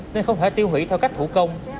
nên không thể tiêu hủy theo cách thủ công